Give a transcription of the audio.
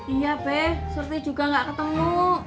iya be surty juga ga ketemu